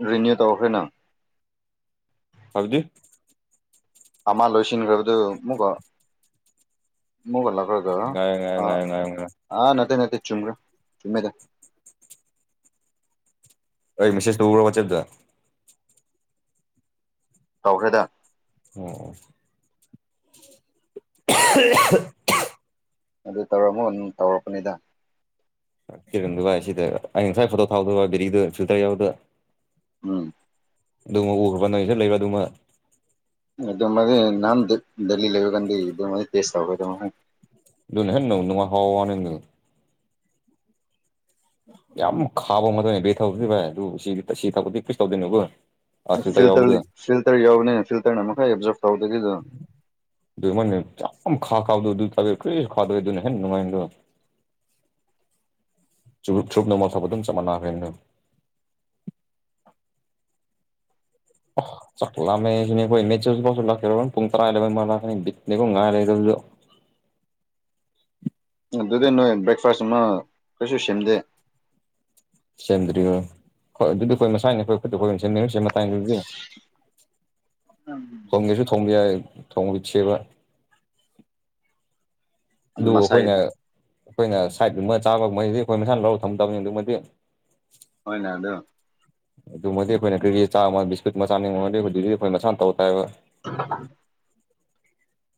ꯔꯤꯅꯤꯌ ꯇꯈꯦꯅ ꯍꯧꯥꯎꯖꯤ ꯑꯃ ꯂꯣꯁꯤꯅꯤ ꯈꯔꯗꯨ ꯃꯨꯒꯣ ꯃꯒꯣ ꯂ ꯒ ꯉꯥꯏꯌꯣ ꯉꯥꯏꯌꯣ ꯉꯥꯏꯌꯣ ꯉꯥꯏꯌꯣ ꯉꯥꯏꯌꯣ ꯅꯠꯇ ꯅꯠꯇ ꯆꯨꯝ꯭ꯔꯥ ꯆꯨꯝꯃꯦꯗ ꯑꯩ ꯃꯤꯁꯦꯁ ꯇꯧꯕ ꯋꯥꯆꯗ ꯇꯧꯈ꯭ꯔꯦꯗ ꯑꯣ ꯑꯗꯨ ꯇꯧꯔꯝꯃꯣ ꯑꯗꯨ ꯇꯧꯔꯛꯄꯅꯤꯗ ꯀꯤꯔꯗꯨ ꯏ ꯁꯤꯗ ꯑꯩꯩꯅ ꯉꯁꯥꯏ ꯐꯣꯇꯣ ꯊꯥꯎꯗꯕ ꯕꯦꯔꯤꯗꯨ ꯐ꯭ꯌꯨꯇꯔ ꯌꯥꯎꯗ ꯎꯝ ꯑꯗꯨꯃ ꯎꯈ꯭ꯔꯕ ꯅꯪ ꯏꯁꯠ ꯂꯩꯕ ꯑꯗꯨꯃ ꯏ ꯃ ꯅꯅꯥꯥꯟ ꯗꯦꯜꯂꯤ ꯂꯩꯦꯒꯥꯟꯗꯤ ꯏꯗ ꯃ ꯇꯦꯁ ꯇꯕꯗ ꯃ ꯑꯗꯨꯍꯅꯣ ꯅꯅꯨꯡ ꯍꯥꯎꯅꯦ ꯌꯥꯝ ꯈꯥꯕ ꯑꯃꯅꯦ ꯕꯦ ꯊꯧꯕꯗꯤ ꯚꯥꯏ ꯑꯗꯨ ꯁꯤꯗꯤ ꯇꯁꯤ ꯊꯧꯕꯗꯤ ꯀꯩꯁꯨ ꯇꯧꯗꯣꯏꯅꯣꯕꯨ ꯐꯤꯜꯇꯔ ꯌꯥꯎꯕꯅꯤꯅ ꯐꯤꯜꯇꯔꯅ ꯃꯈꯩ ꯑꯦꯞꯖꯣꯔꯞ ꯇꯧꯗꯒꯤꯗꯨꯅ ꯃꯅꯤꯠꯇ ꯈꯥ ꯈꯥꯎꯗ ꯑꯗꯨ ꯇ ꯀꯁꯨ ꯈꯥꯗ ꯑꯗꯨꯅ ꯍꯦ ꯅꯅꯨꯡꯃꯥꯏꯗꯣ ꯆꯨꯞ ꯆꯨꯞ ꯅ ꯃꯊꯄ ꯑꯗꯨ ꯆꯃꯅ ꯐꯦꯟꯗ ꯑꯣ ꯆꯥꯛꯂꯂꯝ ꯃ ꯀ ꯄꯨꯡ ꯇꯔꯥ ꯉꯥꯏ ꯂꯩ [unintelligible] ꯑꯗꯨꯗꯤ ꯅꯣꯏ ꯕ꯭ꯔꯦꯛꯐꯥꯁ ꯑꯃ ꯀꯩꯁꯨ ꯁꯦꯝꯗꯦ ꯁꯦꯝꯗ꯭ꯔꯤꯉꯣ ꯍꯣꯏ ꯑꯗꯨꯗꯤ ꯑꯩꯈꯣꯏ ꯃꯁꯥꯅꯤ ꯑꯩꯈꯣꯏ ꯈꯨꯠꯇ ꯑꯩ ꯑꯣꯏꯅ ꯁꯦꯝꯃꯤꯔ ꯁꯤ ꯃꯇꯥꯏꯅꯤꯗꯤ [inaudible] ꯊꯣꯡꯒꯦꯁꯨ ꯊꯣꯡꯕ ꯌꯥꯏ ꯊꯣꯡꯕ ꯆꯦꯕ ꯑꯗꯨ ꯃꯁꯥꯏ ꯑꯩꯈꯣꯏꯅ ꯑꯩꯈꯣꯏꯅ ꯁꯥꯏꯠꯗꯨꯨꯃ ꯆꯥꯕ ꯃꯩꯗꯤ ꯑꯩꯈꯣꯏ ꯃꯁꯥꯅ ꯂꯧꯔ ꯊꯝꯗꯕꯅꯤ ꯑꯗꯨꯛꯃꯗꯤ ꯍꯣꯏ ꯂꯗꯣ ꯑꯗꯨꯃꯗꯤ ꯑꯩꯈꯣꯏ ꯀꯔꯤ ꯆꯥꯝꯃ ꯕꯤꯁꯀꯨꯠ ꯃꯆꯥꯅꯤꯡꯉꯗꯤ ꯑꯩꯈꯣꯏ ꯃꯁꯥ ꯇꯧ ꯇꯥꯏꯕ [unintelligible]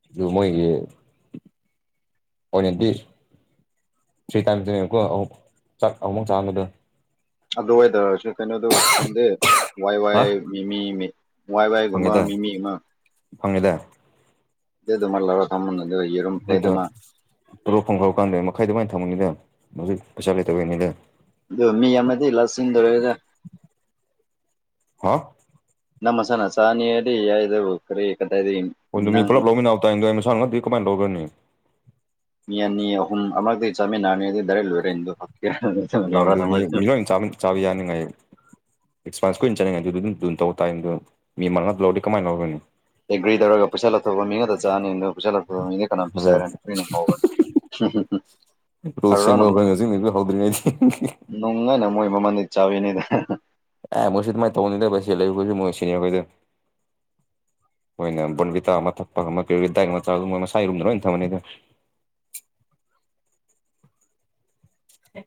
ꯑꯗꯨ ꯃꯣꯏꯒꯤ ꯑꯣꯏꯅ ꯑꯣꯏꯅꯗꯤ ꯐ꯭ꯔꯤ ꯇꯥꯏꯝ ꯆꯨꯀꯣꯨꯛꯥꯛ ꯑꯍꯨꯝꯃꯨꯛ ꯆꯥꯕꯗꯣ ꯑꯗꯨ ꯑꯣꯏꯏꯇꯥꯔꯁꯨ ꯀꯩꯅꯣꯗ ꯐꯪꯗꯦ ꯋꯥꯏ ꯍꯥ ꯋꯥꯏ ꯃꯤ ꯃꯤ ꯃꯤ ꯃꯏ ꯋꯥꯏꯒꯨꯝꯕ ꯃꯤꯃꯤ ꯑꯃ ꯐꯪꯉꯗ ꯑꯗꯨꯦ ꯑꯗꯨ ꯃꯜꯂꯔ ꯊꯃꯝ ꯑꯩꯈꯣꯏꯗ ꯇꯂꯣꯞ ꯐꯪꯈꯔ ꯀꯥꯟꯗ ꯃꯈꯥꯏ ꯑꯗꯨꯃꯥꯏꯅ ꯊꯝꯃꯅꯤꯗ ꯃ ꯄꯩꯁꯂꯦꯇ ꯀꯅꯤ ꯂꯩ ꯑꯗꯨ ꯃꯤ ꯑꯃꯗꯤ ꯂꯁꯤꯟꯗ ꯂꯩꯔꯦ ꯍꯥ ꯅꯃ ꯁꯅ ꯁꯥꯅꯤ ꯑꯗꯤ ꯌꯥꯏꯗ ꯀꯔꯤ ꯀ ꯍ ꯃꯤ ꯄꯨꯂ ꯄꯂꯣꯃꯤꯁꯥꯅ ꯀꯃꯥꯏꯅ ꯇꯧꯒꯅꯤ ꯃꯤꯌꯥꯅꯤ ꯑꯍꯨꯝ ꯑꯃ ꯏ ꯆꯥꯃꯤ ꯅꯥꯅꯤꯔꯩ ꯂꯣꯏꯔꯦ ꯏꯗ ꯍ ꯑꯗꯨ ꯑꯗꯨ ꯃꯤ ꯂꯣꯏ ꯆꯥꯕ ꯌꯥꯅꯤꯉꯥꯏ ꯑꯦꯛꯁꯄꯥꯟꯁ ꯀꯨꯏꯅ ꯆꯠꯅꯤꯡꯉꯦ ꯑꯗꯨꯝ ꯑꯗꯨꯝ ꯇꯧꯕ ꯇꯥꯏꯗꯣ ꯃꯤ ꯃꯜ ꯅ ꯂꯧꯔꯗꯤ ꯀꯃꯥꯏꯅ ꯂꯧꯔꯣꯏꯅꯤ ꯑꯦꯒ꯭ꯔꯤ ꯇꯧꯔꯒ ꯄꯩꯁꯥ ꯂꯧꯊꯣꯛꯕ ꯃꯤ ꯈꯛꯇ ꯆꯥꯅꯤ ꯑꯗꯨ ꯄꯩꯁꯥ ꯂꯧꯊꯣꯛꯕ ꯃꯤꯅ ꯀꯅꯥꯝ ꯑꯗꯣ ꯄꯤꯖꯔꯅꯤ ꯁꯣꯏꯅ ꯉꯧꯔꯅꯤ ꯔꯨꯜ ꯁꯦꯝꯕ ꯑꯩꯈꯣꯏꯅ ꯍꯧꯖꯤꯛꯅ ꯍꯧꯗ꯭ꯔꯤꯉꯩꯗꯤ ꯅꯅꯨꯡꯉꯥꯏꯅ ꯃꯣꯏ ꯃꯅ ꯏꯆꯥꯅꯤꯗ ꯑꯦ ꯃꯁꯖꯤꯗ ꯃꯥ ꯊꯧꯧꯕ ꯅꯗꯂ ꯀ ꯃꯁꯁꯤꯅꯤ ꯀꯣꯏꯗ ꯅ ꯕꯣꯟꯟꯕꯤꯇꯥ ꯑꯃ ꯊꯛꯄ ꯑꯃ ꯀꯗꯥ ꯑꯃ ꯆ ꯃꯣꯏ ꯃꯁꯥꯏꯔꯨꯝꯗꯅ ꯂꯣꯏꯅ ꯊꯝꯃꯅꯤꯗ [unintelligible] ꯍ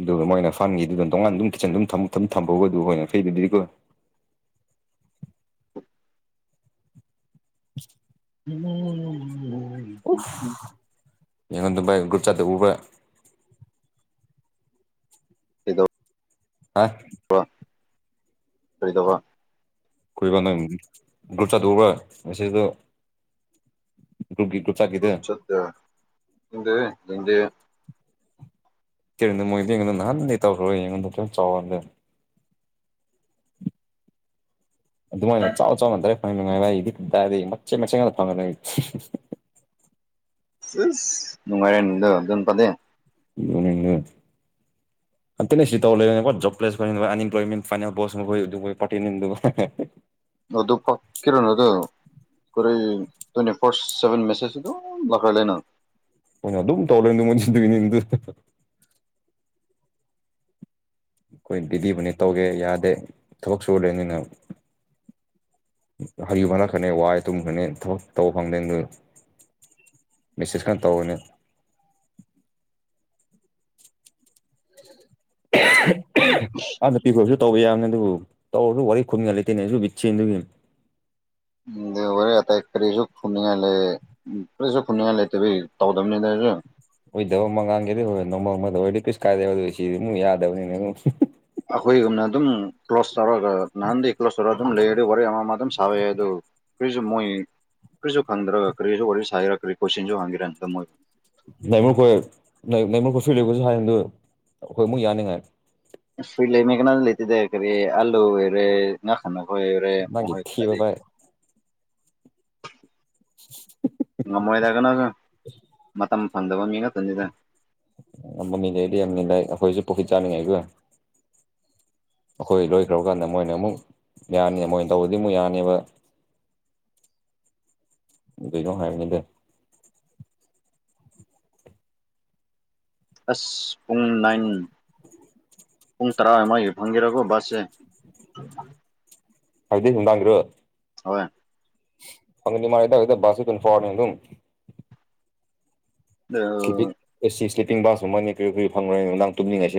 ꯑꯗꯨꯒ ꯃꯣꯏꯅ ꯐꯪꯈꯤꯗꯨꯅ ꯇꯣꯡꯉꯥꯟ ꯑꯗꯨꯝ ꯀꯆꯟ ꯑꯗꯨꯝ ꯊꯝꯍꯧꯕꯗꯨ ꯑꯣꯏꯅ ꯐꯩꯗꯨꯗꯤꯀꯣ [unintelligible] ꯎꯝ ꯌꯦꯉ ꯇ ꯆꯗ ꯎꯕ ꯀꯩꯗꯧ ꯑ ꯑꯣꯏꯔꯤꯗꯧꯕ ꯀꯈꯣꯏꯕ ꯅꯪ ꯒ꯭ꯔꯨꯞ ꯆꯥꯊꯣꯛꯑꯒ ꯃꯁꯤꯗ ꯗꯗꯤ ꯌꯦꯗꯤ ꯀꯔꯤꯗ ꯃꯣꯏꯗꯤ ꯌꯦꯉ ꯅꯥꯟ ꯇꯧꯔ ꯌꯦꯉ ꯆꯗ [inaudible] ꯑꯗꯨꯃꯥꯏꯅ ꯆꯥꯎ ꯆꯥꯎꯅ ꯇꯔꯦ ꯐꯪ ꯅꯨꯡꯉꯥꯏ ꯥꯏꯗꯤꯗꯥꯗꯤ ꯃꯆꯦꯠ ꯃꯆꯦ ꯉꯥꯛꯇ ꯐꯪꯉ ꯑꯩꯗꯤ ꯅꯨꯡꯉꯥꯏꯔꯦꯗꯣ ꯑꯗꯨꯣꯟꯕꯗꯦ ꯏꯅꯅ [inaudible] ꯑꯅ ꯁꯤ ꯂ ꯂꯩꯖ ꯄ꯭ꯂꯁ ꯑꯄ꯭ꯂꯣꯏꯦꯟ ꯐꯥꯏ ꯄꯅꯤ ꯀꯔꯣꯏ ꯇ꯭ꯋꯦꯟꯇꯤ ꯐꯣꯔꯁ ꯁꯚꯦꯟ ꯃꯦꯁꯦꯖꯗꯣ ꯂꯥꯛꯈ꯭ꯔ ꯂꯩꯅ ꯃ ꯑꯗꯨꯝ ꯇꯧꯂꯔ ꯑꯗꯨ ꯃꯗꯨꯅꯤ ꯑꯩꯈꯣꯏ ꯗꯤꯗꯤꯕꯨꯅꯦ ꯇꯧꯒꯦ ꯌꯥꯗꯦ ꯊꯕꯛ ꯁꯨꯔꯨꯔꯦꯅꯤꯅ ꯍꯔꯤꯃꯅꯥꯛ ꯈꯅꯦ ꯋꯥꯏ ꯇꯨꯝꯈꯅꯤ ꯇꯧ ꯐꯪꯗꯦ ꯑꯗꯨ ꯃꯦꯁꯦꯁ ꯀꯥꯟ ꯇꯧꯅꯦ ꯑ ꯅꯄꯤ ꯀꯧꯁꯨ ꯇꯧꯕ ꯌꯥꯕꯅꯦ ꯑꯗꯨꯕꯨ ꯇꯧꯔꯁꯨ ꯋꯥꯔꯤ ꯈꯨꯝꯒ ꯂꯩꯇꯦꯅꯦꯁꯨ ꯕꯤꯠꯁꯤ ꯑꯗꯨꯒꯤ ꯍꯔꯦ ꯑꯇꯩ ꯀꯔꯤꯁꯨ ꯈꯨꯝꯅꯤꯡꯉꯥꯏ ꯂꯩ ꯎ ꯀꯔꯤꯁꯨ ꯈꯨꯅꯤꯡꯉꯥꯏ ꯂꯩꯇꯦꯕꯩ ꯇꯧꯗꯕꯅꯤꯗꯁꯨ ꯑꯣꯏꯗꯕ ꯃꯉꯥꯡꯒꯤꯦꯗꯤ ꯍ ꯅꯣꯡꯃ ꯑꯃꯗ ꯑꯣꯏꯗꯤ ꯀꯩꯁ ꯀꯥꯏꯗꯦ ꯁꯤ ꯌꯥꯗꯕꯅꯤꯅꯦ ꯑꯩꯈꯣꯏꯒꯨꯝꯅ ꯑꯗꯨꯝ ꯀ꯭ꯂꯣꯁ ꯇꯧꯔꯒ ꯅꯍꯥꯟꯗꯤ ꯀ꯭ꯂꯣꯁ ꯇꯧꯔꯒ ꯑꯗꯨꯝ ꯂꯩꯔ ꯑꯗꯨ ꯋꯥꯔꯤ ꯑꯃ ꯑꯃ ꯑꯗꯨꯝ ꯁꯥꯕ ꯌꯥꯏ ꯑꯗꯨ ꯀꯔꯤꯁꯨ ꯃꯣꯏ ꯀꯔꯤꯁꯨ ꯈꯪꯗ꯭ꯔꯒ ꯀꯔꯤꯁꯨ ꯋꯥꯔꯤ ꯁꯥꯥꯏꯒꯦꯔꯥ ꯀꯔꯤ ꯀꯣꯏꯁꯟꯁꯨ ꯍꯪꯒꯦꯔꯥꯗ ꯃꯣꯏ ꯅꯃꯨꯈꯣꯏ ꯅꯃꯈꯣꯏ ꯐꯤꯜꯂꯤꯒꯁꯨ ꯍꯥꯏꯌꯦꯗꯨ ꯑꯩꯈꯣꯏ ꯑꯃꯨꯛ ꯌꯥꯅꯤꯉꯥꯏ ꯐ ꯂꯩ ꯃ ꯀꯅꯥ ꯂꯩꯇꯗꯔ ꯀꯔꯦ ꯑꯜꯂꯨ ꯑꯣꯏꯦꯔꯦ ꯉ ꯈꯥꯟ ꯍꯣꯏꯔꯦ ꯃꯥꯒꯤ ꯃꯍꯣꯏ ꯊꯤꯕ ꯀꯗꯤ ꯚꯥꯏ [inaudible] ꯉꯝꯃꯣꯏꯗꯔ ꯀꯅꯒ ꯃꯇꯝ ꯐꯪꯗꯕ ꯃꯤ ꯉꯥꯛꯇꯅꯤꯗ ꯌꯥꯝ ꯃ ꯃꯤꯜ ꯂꯩꯛꯗꯤ ꯌꯥꯝ ꯃꯤꯜꯂ ꯑꯩꯈꯣꯏꯁꯨ ꯄꯨꯣꯁꯤꯠ ꯆꯥꯅꯤꯡꯉꯥꯏꯒ ꯑꯩꯈꯣꯏ ꯂꯣꯏꯈ꯭ꯔꯕ ꯀꯥꯟꯗ ꯃꯣꯏꯅ ꯑꯃꯨꯛ ꯌꯥꯅꯤ ꯃꯣꯏꯅ ꯇꯧꯕꯗꯤ ꯑꯃꯨꯛ ꯌꯥꯅꯤꯕ [inaudible] ꯑꯗꯨꯩꯅꯣ ꯍꯥꯏꯅꯤꯗꯦ ꯑꯁ ꯄꯨꯡ ꯅꯥꯏꯟ ꯄꯨꯡ ꯇꯔꯥꯃꯥꯏ ꯐꯪꯈꯤꯔꯒꯣ ꯕꯥꯁꯁꯦ ꯍꯥꯏꯗꯤ ꯅꯨꯪꯗꯥꯡꯒꯤꯔꯣ ꯍꯣꯏ ꯐꯪꯗꯣꯏ ꯃꯜꯂꯤꯗ ꯕꯁꯇꯤ ꯇꯣꯏꯟꯇꯤ ꯐꯣꯔ ꯍꯧꯔ ꯅꯦ ꯑꯗꯨꯝ ꯑꯗꯨ ꯁ꯭ꯤꯡ ꯑꯦ ꯁꯂꯤꯞꯄꯤꯡ ꯕꯥꯁꯀꯨꯝꯕꯅꯤ ꯀꯔꯤ ꯀꯔꯤ ꯐꯪꯉꯣꯏꯅꯣ ꯅꯪ ꯇꯨꯝꯅꯤꯡꯉꯥꯏꯁꯤꯦ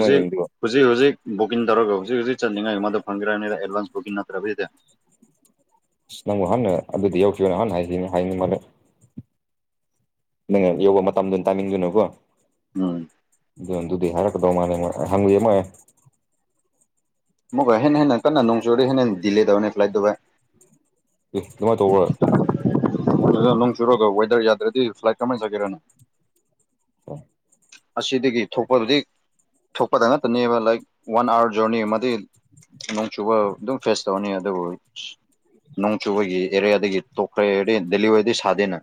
ꯍꯧꯖꯤꯛ ꯍꯧꯖꯤꯛ ꯍꯧꯖꯤꯛ ꯕꯨꯀꯤꯟ ꯇꯧꯔꯣꯒꯣ ꯍꯧꯖꯤꯛ ꯍꯧꯖꯤꯛ ꯆꯠꯅꯤꯡꯉꯥꯏ ꯃꯗ ꯐꯪꯒ꯭ꯔꯅꯤꯗ ꯑꯦꯗꯚꯟꯁ ꯕꯨꯀꯤꯡ ꯅꯠꯇ꯭ꯔꯕꯤꯗꯦ ꯑ ꯅꯪꯉꯣ ꯍꯥꯟꯅ ꯑꯗꯨꯗꯤ ꯌꯥꯎꯈꯤꯕꯈꯤꯕꯅ ꯍꯥꯟꯅ ꯍꯥꯏꯅꯤ ꯍꯥꯏꯅ ꯃꯥꯜꯂ ꯅꯪ ꯌꯧꯕ ꯃꯇꯝꯗꯨ ꯇꯥꯏꯃꯤꯡꯗꯨꯅꯨꯀꯣ ꯎꯝ ꯑꯗꯨꯣ ꯑꯗꯨꯗꯤ ꯍꯥꯏꯔꯛꯀꯗꯧ ꯃꯥꯜꯂ ꯍꯪꯉꯨꯏꯦ ꯃꯥ ꯃꯀꯣꯏ ꯍꯦꯟꯅ ꯍꯦꯟꯅ ꯀꯟꯅ ꯅꯣꯡ ꯆꯨꯨꯔꯦ ꯍꯦꯟꯅ ꯍꯦꯟꯅ ꯗꯤꯂꯦ ꯇꯧꯅꯦ ꯐ꯭ꯂꯥꯏꯠ ꯕꯥꯥꯏ ꯑꯗꯨꯃꯥꯏꯅ ꯇꯧꯕꯣꯏ ꯅꯣꯡ ꯆꯨꯔꯒ ꯋꯦꯗꯔ ꯌꯥꯗ꯭ꯔꯗꯤ ꯐ꯭ꯂꯥꯏꯠ ꯀꯃꯥꯏꯅ ꯆꯒꯦꯔꯅꯣ ꯑ ꯑꯁꯤꯗꯒꯤ ꯊꯣꯛꯄꯗꯨꯗꯤ ꯊꯣꯛꯄꯗ ꯉꯇꯅꯦꯕ ꯂꯥꯏꯛ ꯋꯥꯟ ꯑꯥꯋꯥꯔ ꯖꯔꯅꯤ ꯑꯃꯗꯤ ꯅꯣꯡ ꯆꯨꯕ ꯑꯗꯨꯝ ꯐꯦꯁ ꯇꯧꯅꯤ ꯑꯗꯨꯕꯨ ꯅꯣꯡ ꯆꯨꯕꯒꯤ ꯑꯦꯔꯤꯌꯥꯗꯒꯤ ꯇꯣꯛꯈ꯭ꯔꯦꯗꯤ ꯗꯦꯜꯂꯤꯋꯥꯗꯤ ꯁꯥꯗꯦꯅ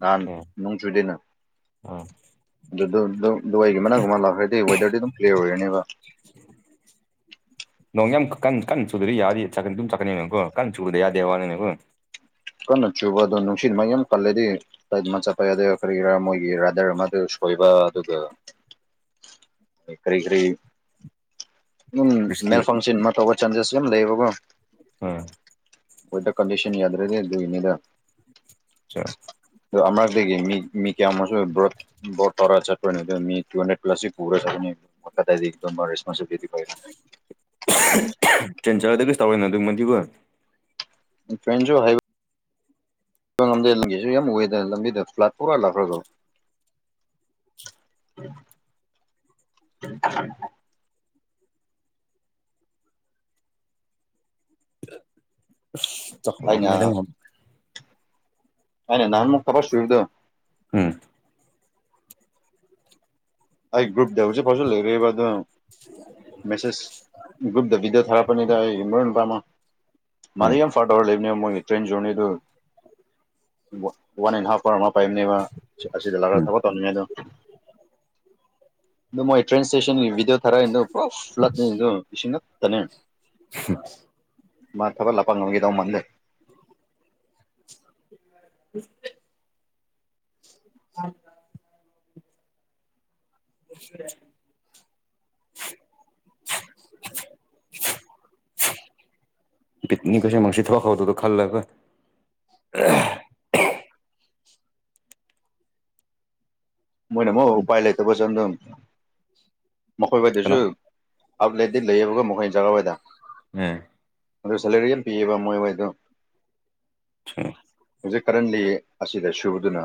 ꯅꯍꯥꯟ ꯎꯝ ꯅꯣꯪꯆꯨꯏꯗꯅ ꯑꯥ ꯑꯗꯨꯗꯨ ꯗꯨꯕꯥꯏꯒꯤ ꯃꯅꯥꯒꯨꯝꯕ ꯂꯥꯛꯈ꯭ꯔꯗꯤ ꯋꯦꯗꯔꯗꯤ ꯑꯗꯨꯝ ꯀ꯭ꯂꯤꯌꯥꯔ ꯑꯣꯏꯔꯅꯦꯕ ꯅꯣꯡ ꯌꯥꯝ ꯀꯟ ꯀꯟ ꯆꯨꯗ꯭ꯔꯤ ꯌꯥꯔꯤ ꯆ ꯑꯗꯨꯝ ꯆꯀꯅꯤꯅꯀꯣ ꯀꯟ ꯆꯨꯗ꯭ꯔ ꯌꯥꯗꯦ ꯋꯥꯅꯤꯅꯀꯣ ꯀꯟꯅꯣ ꯆꯨꯕ ꯑꯗꯨꯣ ꯅꯨꯡꯁꯤꯠ ꯃꯨꯝ ꯀꯜꯂꯗꯤ ꯃꯆꯥꯄꯗ ꯀꯔꯤꯒꯤꯔꯥ ꯃꯣꯏꯒꯤ ꯔꯥꯗꯔ ꯑꯃ ꯀꯣꯏꯕ ꯑꯗꯨꯒ ꯀꯔꯤ ꯀꯔꯤ ꯎꯝ ꯔꯤꯁꯀꯤ ꯃꯦꯜ ꯐꯪꯁꯟ ꯑꯃ ꯇꯧꯕ ꯆꯥꯟꯖꯦꯁ ꯌꯥꯝ ꯂꯩꯌꯦꯕꯀꯣ ꯑꯥ ꯋꯦꯗꯔ ꯀꯟꯗꯤꯁꯟ ꯌꯥꯗ꯭ꯔꯗꯤ ꯑꯗꯨꯅꯤꯗ ꯆꯂꯣ ꯑꯣ ꯑꯃꯛꯇꯒꯤ ꯃꯤ ꯀꯌꯥꯃꯨ ꯕ꯭ꯔꯣꯠ ꯕꯣꯠ ꯇꯧꯔ ꯆꯠꯄꯅꯤ ꯑꯗꯨꯣ ꯃꯤ ꯇꯨ ꯍꯟꯗ꯭ꯔꯦꯠ ꯄ꯭ꯂꯁꯁꯤ ꯄꯨꯔꯒ ꯆꯠꯀꯅꯤ ꯀꯗꯥꯗꯤ ꯔꯦꯁꯣꯟꯕ ꯖꯔꯒꯗ ꯀꯩꯁꯨ ꯇꯧꯔꯦꯅ ꯑꯗꯨꯝ ꯃꯗꯤꯕꯨꯨꯔ ꯇ꯭ꯔꯦꯟꯁꯨ ꯍꯥꯏꯕ ꯆ ꯉꯝꯗꯦ ꯂꯝꯒꯤꯁꯨ ꯌꯥꯝ ꯎꯏꯦꯗꯅ ꯂꯝꯕꯤꯗ ꯐ꯭ꯂꯥꯠ ꯄꯨꯔꯥꯂꯥꯛꯈ꯭ꯔꯕꯣ ꯎ ꯆꯈꯗ ꯍꯥꯏꯅꯦ ꯅꯍꯟꯃꯨ ꯊꯕꯔ ꯁꯨꯏꯗꯣ ꯎꯝ ꯑꯩ ꯒ꯭ꯔꯨꯞꯇ ꯍꯧꯖꯤꯛꯐꯥꯎꯖꯤ ꯂꯩꯔꯕ ꯑꯗꯨ ꯃꯦꯁꯦꯁ ꯒ꯭ꯔꯨꯞꯇ ꯕꯤꯗꯤꯑꯣ ꯊꯥꯔꯛ ꯄꯅꯤꯗ ꯑꯩ ꯏ ꯃꯔꯣꯏ ꯅꯨꯄꯥꯃ ꯃꯥꯩ ꯌꯥꯝ ꯐꯥꯔꯠꯧꯔ ꯂꯩꯕꯅꯦꯕ ꯃꯣꯏꯒꯤ ꯇ꯭ꯔꯦꯟ ꯖꯣꯔꯅꯤꯗꯨ ꯋꯥꯟ ꯑꯦꯟ ꯍꯥꯐ ꯑꯋꯥꯔ ꯑꯃ ꯄꯥꯏꯕꯅꯦꯕ ꯑꯁꯤꯗ ꯂꯥꯛꯑꯒ ꯎꯝ ꯊꯕꯛ ꯇꯧꯅꯤꯡꯉꯦ ꯑꯗꯣ ꯑꯗꯨꯃꯣꯏ ꯇ꯭ꯔꯦꯟ ꯁꯇꯦꯁꯟꯒꯤ ꯊꯔ ꯏ ꯄꯣ ꯐ꯭ꯂꯅꯤ ꯏꯁꯤꯡꯅꯠꯇꯅꯦ ꯃꯥ ꯊꯕꯛ ꯂꯥꯛꯄꯥꯡ ꯉꯥꯡꯒꯦꯗ ꯃꯜꯗꯦ ꯎ ꯍ [inaudible] [inaudible] ꯄꯤꯛꯅꯤ ꯀꯁꯦ ꯃꯁꯤ ꯊ ꯋꯥ ꯈꯥꯎꯗꯗ ꯈꯜꯂꯒ ꯑ ꯃꯣꯏꯅ ꯑꯃꯨꯛ ꯎꯄꯥꯏ ꯂꯩꯇꯕꯁꯨ ꯑꯗꯨꯝ ꯃꯈꯣꯏ ꯍꯏꯗꯁꯨ ꯀꯅꯥ ꯑꯥꯎꯠꯂꯦꯠꯇꯤ ꯂꯩꯌꯦꯕꯒ ꯃꯈꯣꯏꯅ ꯖꯒꯥꯋꯥꯣꯏꯗ ꯎꯝ ꯑꯗꯨ ꯁꯦꯂꯔꯤ ꯌꯥꯝ ꯄꯤꯌꯦꯕ ꯃꯣꯏꯍꯣꯏꯗ ꯎ ꯍꯧꯖꯤꯛ ꯀꯔꯟꯂꯤ ꯑꯁꯤꯗ ꯁꯨꯕꯗꯨꯅ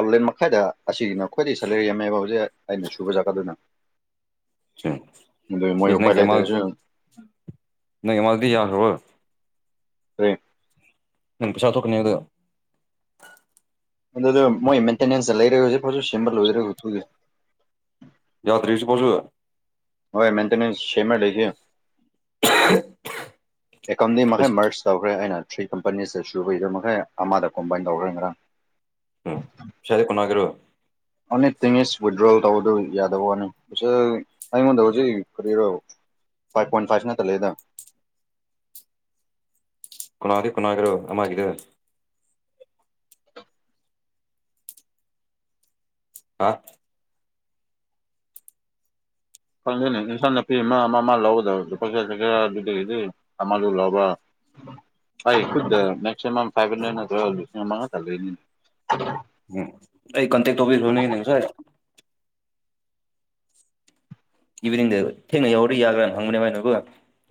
ꯑꯥꯎꯠꯂꯦꯟ ꯃꯈꯥꯏꯗ ꯑꯁꯤꯅ ꯑꯩꯈꯣꯏꯗꯤ ꯁꯦꯂꯔꯤ ꯌꯥꯝꯃꯦꯕ ꯍꯧꯖꯤꯛ ꯑꯩꯅ ꯁꯨꯕ ꯖꯒꯥꯠꯗꯨꯅ ꯎꯝ ꯑꯗ ꯃ ꯏꯁ ꯄꯥꯏ ꯂꯩ ꯊꯔꯁꯨ ꯅꯪ ꯃꯥꯗꯤ ꯌꯥꯔ ꯍꯣ ꯑ ꯃ ꯄꯩꯁꯥ ꯊꯣꯛ ꯀꯅꯤꯒ ꯑꯗꯨꯗ ꯃꯣꯏ ꯃꯦꯟꯇꯦꯅꯦꯟꯁꯇ ꯂꯩꯔꯦ ꯍꯧꯖꯤꯛ ꯐꯁꯨ ꯁꯦꯝꯕ ꯂꯣꯏꯗꯔꯦ ꯍꯧꯖꯤꯛꯨ ꯌꯥ ꯇ꯭ꯔꯤꯁꯨ ꯄꯁꯨ ꯍꯣꯏꯣꯏ ꯃꯦꯟꯇꯦꯟꯦꯟꯁ ꯁꯦꯃ ꯂꯩꯒ ꯑꯦꯀꯣꯝꯗꯤ ꯃꯈꯥꯏ ꯃꯔꯆ ꯇꯧꯈ꯭ꯔꯦ ꯑꯩꯅ ꯊ꯭ꯔꯤ ꯀꯝꯄꯅꯤꯁꯇ ꯁꯨꯕꯩꯗ ꯃꯈꯩ ꯑꯃꯗ ꯀꯣꯝꯕꯥꯏꯟ ꯇꯧꯈ꯭ꯔꯦ ꯉꯔꯥꯡ ꯎꯝ ꯁꯗ ꯀꯅꯥꯒꯔꯣ ꯑ ꯇꯁ ꯋꯤꯠꯗ꯭ꯔꯣꯜ ꯇꯧꯕꯗꯨ ꯌꯥꯗꯕꯅꯤ ꯇꯗꯖꯤ ꯈꯔ ꯐꯥꯏꯚ ꯄꯣꯏꯟ ꯐꯥꯏꯚꯅꯠꯇ ꯂꯩꯗ ꯀꯅꯥꯗꯤ ꯀꯨꯅꯥꯒ꯭ꯔꯣ ꯑꯒꯗ ꯑꯥ ꯈꯪꯗꯅꯤ ꯏꯟꯁꯥꯡ ꯅꯥꯄꯤ ꯑꯃ ꯑꯃ ꯑꯃ ꯂꯧꯒꯗꯕ ꯂꯨꯄꯥ ꯆ ꯆꯊꯔ ꯑꯗꯨꯗꯒꯤꯗꯒꯤꯗꯤ ꯑꯃꯗꯨ ꯂꯕ ꯍ ꯃꯃ ꯐꯚ ꯍꯟ꯭ꯔꯦꯠꯇ ꯎꯝ ꯑꯩ ꯀꯟꯇꯦꯛ ꯇꯧꯕꯤꯔꯣ ꯅꯅꯦꯁꯔ ꯏꯚꯤꯅꯤꯡꯗ ꯊꯦꯡꯅ ꯌꯧꯔꯗꯤ ꯌꯥꯒ꯭ꯔꯥꯅ ꯍꯪꯕꯅꯦ ꯃꯥꯏꯅꯦꯕꯨ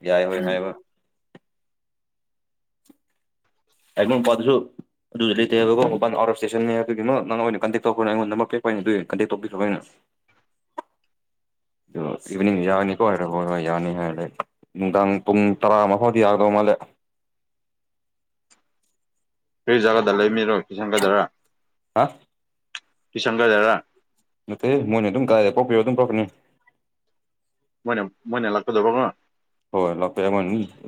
ꯌꯥꯏ ꯍꯣꯏ ꯎꯝ ꯍꯥꯏꯕ ꯑꯦꯝ ꯄꯠꯇꯁꯨ ꯑꯗꯨꯁꯨ ꯂꯩꯇꯦꯕꯀꯣ ꯋꯥꯟ ꯑꯋꯥꯔ ꯏꯁꯇꯦꯁꯟꯅꯦ ꯑꯗꯨꯒꯤ ꯑꯃ ꯅꯪ ꯑꯣꯏꯅ ꯀꯟꯇꯦꯛ ꯇꯧꯈ꯭ꯔꯅꯣ ꯑꯩꯉꯣꯟ ꯅꯝꯕꯔ ꯄꯦꯛꯛꯄ ꯑꯣꯏꯅ ꯑꯗꯨꯒꯤ ꯀꯟꯇꯦꯛ ꯇꯧꯕꯤꯈ꯭ꯔ ꯑꯩꯅ [inaudible] ꯑ ꯏ ꯌꯥꯅꯤꯔ ꯌꯥꯅꯤ ꯍꯥꯏꯔ ꯅꯨꯡꯗꯥꯡ ꯄꯨꯡ ꯇꯔꯥ ꯃꯈꯥꯎꯗꯤ ꯌꯥꯗꯧ ꯃꯥꯜꯂꯦ [inaudible] ꯐꯔꯤꯖꯒꯥꯒꯗ ꯂꯩ ꯃꯤꯔꯣ ꯀꯤꯁꯟꯒꯗꯔ ꯍꯥ ꯁꯪꯒꯗꯔ ꯅ ꯃꯣꯏꯅꯤ ꯑꯗꯨꯝ ꯀꯥꯏ ꯄꯄꯤ ꯑꯗꯨꯝ ꯄꯅꯤ ꯃꯣꯏꯅ ꯃꯣꯏꯅ ꯂꯥꯛꯀꯗꯕ ꯉꯣ ꯍꯣꯏ ꯂꯥꯛꯄ ꯌꯥ ꯃꯥ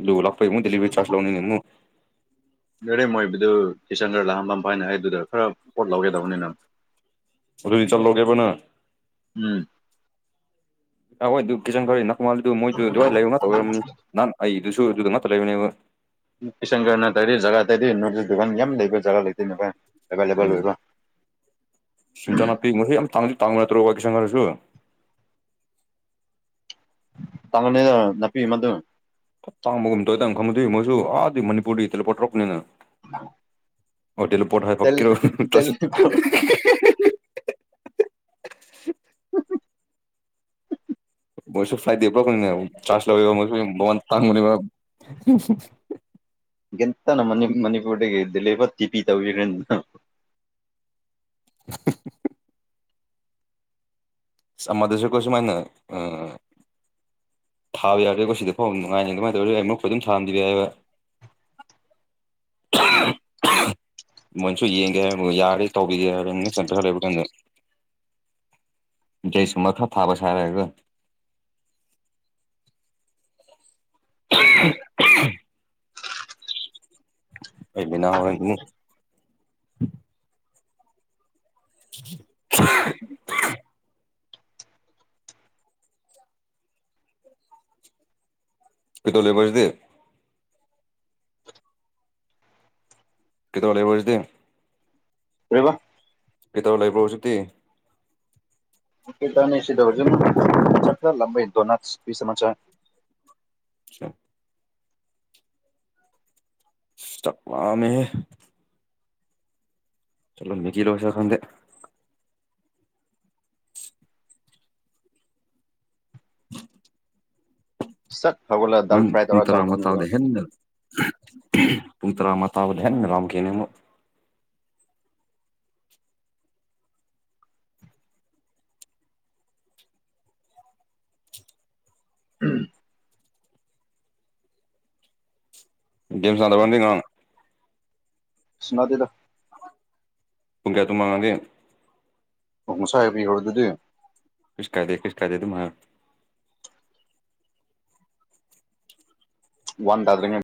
ꯂ ꯂꯥꯛꯄ ꯃ ꯗꯗꯤꯂꯤꯚꯔꯤ ꯆꯥꯖ ꯂ ꯂꯧꯅꯤ ꯅꯃꯣ ꯌꯥꯔꯦ ꯃꯣꯏꯕꯤꯗꯨ ꯀꯤꯁꯟꯒꯔ ꯂꯥꯍꯝꯕꯝ ꯐꯥꯏꯅ ꯍꯥꯏꯗꯨꯗ ꯈꯔ ꯄꯣꯠ ꯂꯧꯒꯗꯕꯅꯤꯅꯪ ꯍꯧꯏ ꯆꯠꯂꯒꯦꯕꯅ ꯎꯝ ꯑꯣꯏ ꯀꯆꯟ ꯈꯔ ꯅꯅꯥ ꯀ ꯃꯥꯜ ꯃꯣꯏ ꯗꯋꯥ ꯂꯩ ꯑꯩ ꯁ ꯑꯗꯨꯗ ꯃ ꯂꯩꯅꯦ ꯀꯤꯁꯟꯒꯔꯅ ꯇꯧꯔꯤ ꯖꯒꯥ ꯇꯔꯤ ꯅ ꯗꯨꯀꯥꯟ ꯌꯥꯝ ꯂꯩꯕ ꯖꯒꯥ ꯂꯩꯇꯣꯏꯅꯦꯚꯥꯏ ꯎꯝ ꯁꯤꯤꯟꯊ ꯅꯥꯄꯤ ꯃꯍꯩ ꯌꯥꯝ ꯇꯥꯡ ꯇꯅꯠꯇ꯭ꯔꯣ ꯋꯥꯀꯤꯁꯟ ꯑꯣꯏꯔꯁꯨ ꯇꯥꯉꯅꯗ ꯅꯄꯤ ꯃꯗꯨ ꯇꯥꯡꯕꯒꯨꯝ ꯇꯣꯏꯇꯪ ꯈꯪꯗꯣꯏ ꯃꯣꯏꯁꯨ ꯑꯥꯗꯤ ꯃꯅꯤꯄꯨꯔꯗꯤꯂꯄꯇ꯭ꯔꯣꯄꯅꯤꯅ ꯑ ꯍꯣꯇꯦꯜ ꯄꯣꯠ ꯍ ꯍꯥꯏ ꯐꯀꯤꯔꯣ ꯇ ꯑ ꯃꯣꯏꯁꯨ ꯐ꯭ꯂꯥꯏꯗꯦ ꯄꯨꯛꯅꯤꯅꯦ ꯆꯥꯔꯖ ꯂꯧꯕ ꯃꯣꯏꯁꯨ ꯃꯃꯟ ꯐꯥꯡꯕꯅꯦꯕ ꯒꯤꯇꯅ ꯃꯅꯤ ꯃꯅꯤꯄꯨꯔꯗꯒꯤ ꯗ ꯂꯩꯕ ꯇꯤ ꯄꯤ ꯇꯧꯈ꯭ꯔꯦꯟꯅ [inaudible] ꯁꯃꯗꯨꯁꯀꯣꯏꯁꯤꯃꯅ ꯑ ꯊꯥꯕ ꯌꯥꯗ꯭ꯔꯦꯀꯣ ꯁꯤꯗ ꯐꯥꯎ ꯅꯨꯡꯉꯥꯏꯅꯤ ꯀꯃꯥꯏꯅ ꯇꯧꯔꯤ ꯑꯩꯛꯈꯣꯏ ꯑꯗꯨꯝ ꯊꯥꯍꯟꯕꯤꯕ ꯌꯥꯏꯕ ꯑꯍ ꯑꯍ ꯃꯣꯏꯁꯨ ꯌꯦꯡꯒꯦ ꯍꯥꯏ ꯌꯥꯔꯦ ꯇꯧꯕꯤꯒꯦ ꯍꯥꯏꯔꯦ ꯁꯇꯔ ꯂꯩꯕꯗ ꯆꯩꯩꯁꯨꯝꯕ ꯈꯔ ꯊꯥꯕ ꯁꯥ ꯍꯥꯏꯔꯒ ꯑꯍ ꯑꯍ ꯏꯗꯤ ꯅꯅꯥ ꯑꯍ ꯑꯍ ꯄꯇꯣꯂꯕꯖꯗ ꯀꯗꯣꯂꯦ ꯄꯨꯖꯗ ꯑꯔꯦꯕ ꯄꯤ ꯇꯕꯨ ꯂ ꯂꯩꯕ꯭ꯔꯧꯁꯤꯗꯤ ꯗꯔꯖ ꯂ ꯏꯠꯇꯣꯅ ꯐ ꯆꯃ ꯆꯦ ꯁ ꯆꯂꯝ ꯆꯂꯣ ꯃꯤꯒꯤ ꯂꯣꯁ ꯈꯪꯗꯦ [inaudible] ꯁꯠ ꯍꯧꯒꯠꯂ ꯍ ꯗꯥꯜ ꯐ꯭ꯔꯥꯏ ꯏꯟ ꯇꯧꯔ ꯇꯔ ꯆꯥꯈ꯭ꯔꯅꯤ ꯑꯗꯨꯒ ꯃꯥꯎꯗꯦ ꯍꯅꯤꯡ ꯄꯨꯡ ꯇꯔꯥ ꯃꯥ ꯇꯥꯕꯨ ꯔꯝ ꯀꯅꯦ ꯎꯝ [unintelligible] ꯁꯅꯥꯗꯔ ꯇꯨꯡ ꯀꯌꯥ ꯇꯨ ꯃꯥꯉꯥꯡꯒꯦ ꯎ ꯉꯁꯥꯏꯕꯤꯍꯔꯗꯨꯗꯤ ꯈꯨꯁ ꯀꯥꯗꯦ ꯈꯨꯁ ꯀꯥꯗꯦ ꯇꯨꯃ ꯋꯥꯟ ꯑꯗꯨ